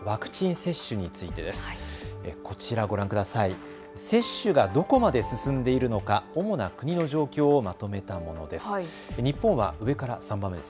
接種がどこまで進んでいるのか主な国の状況をまとめたものです。